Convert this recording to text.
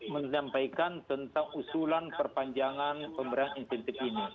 menyampaikan tentang usulan perpanjangan pemberian insentif ini